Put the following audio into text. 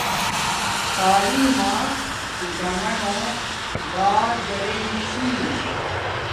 تعیلم ما ٹوٹانݣ بار گاڈے گی چھی